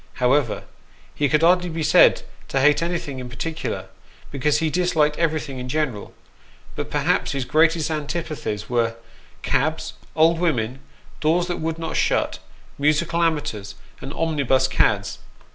However, he could hardly be said to hate anything in particular, because he disliked everything in general ; but perhaps his greatest antipathies were cabs, old women, doors that would not shut, musical amateurs, and omnibus cads.